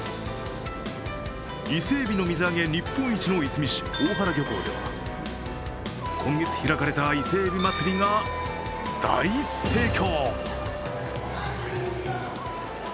伊勢えびの水揚げ日本一のいすみ市、大原漁港では今月開かれた、イセエビまつりが大盛況。